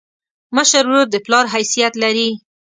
مشر ورور د پلار حیثیت لري.